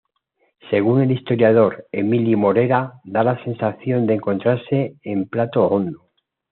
Según el historiador Emili Morera, da la sensación de encontrarse en plato hondo.